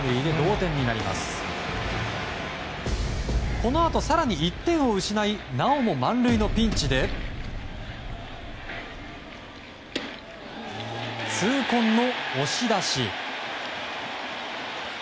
このあと更に１点を失いなおも満塁のピンチで痛恨の押し出し。